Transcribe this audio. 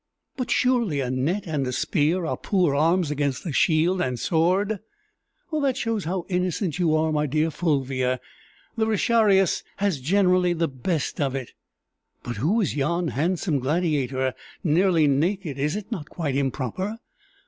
"But surely a net and a spear are poor arms against a shield and sword?" "That shows how innocent you are, my dear Fulvia: the retiarius has generally the best of it." "But who is yon handsome gladiator, nearly naked is it not quite improper?